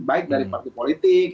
baik dari partipolitik